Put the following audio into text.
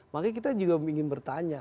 maka kita juga ingin bertanya